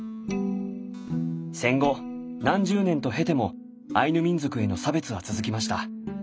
戦後何十年と経てもアイヌ民族への差別は続きました。